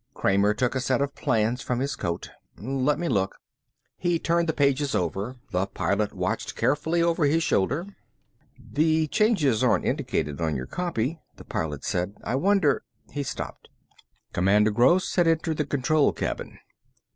Kramer took a set of the plans from his coat. "Let me look." He turned the pages over. The Pilot watched carefully over his shoulder. "The changes aren't indicated on your copy," the Pilot said. "I wonder " He stopped. Commander Gross had entered the control cabin.